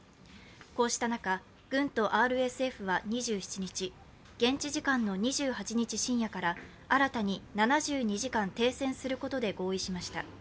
こうした中、軍とＲＳＦは２７日現地時間の２８日深夜から新たに７２時間停戦することで合意しました。